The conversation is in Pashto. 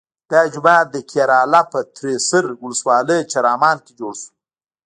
دا جومات د کیراله په تریسر ولسوالۍ چرامان کې جوړ شو.